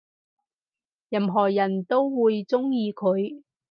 任何人都會鍾意佢